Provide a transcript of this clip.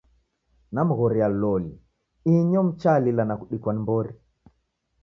Namghoria loli, inyo mchalila na kudikwa ni mbori.